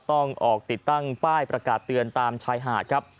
ต้องออกติดตั้งป้ายประกาศเตือนตามชายหาดครับ